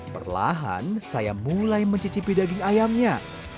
perlahan saya mulai mencicipi daging ayamnya